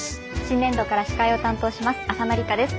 新年度から司会を担当します浅野里香です。